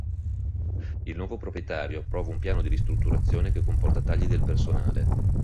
Il nuovo proprietario approva un piano di ristrutturazione che comporta tagli del personale.